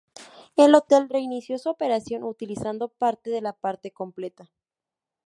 El hotel reinició su operación utilizando parte de la parte completa.